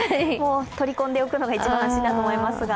取り込んでおくのが一番安心だと思いますが。